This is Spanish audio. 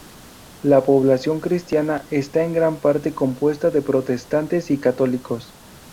La población cristiana está en gran parte compuesta de protestantes y católicos.